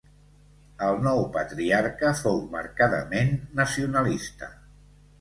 El nou patriarca fou marcadament nacionalista.